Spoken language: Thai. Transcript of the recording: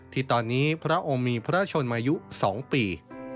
ที่ตอนนี้พระองค์มีพระชนมายุ๒ปี